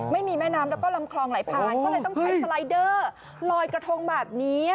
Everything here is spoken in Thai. ไม่มีแม่น้ำแล้วก็ลำคลองไหลผ่านก็เลยต้องใช้สไลเดอร์ลอยกระทงแบบนี้